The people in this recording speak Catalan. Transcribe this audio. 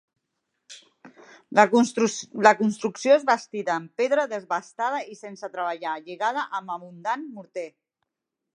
La construcció és bastida en pedra desbastada i sense treballar, lligada amb abundant morter.